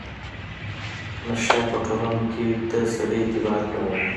نشه په ټولنه کې د سړي اعتبار کموي.